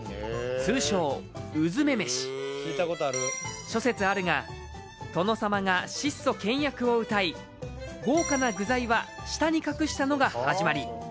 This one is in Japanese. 通称・うずめ飯諸説あるが殿様が質素倹約をうたい豪華な具材は下に隠したのが始まり